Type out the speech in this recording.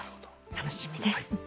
楽しみです。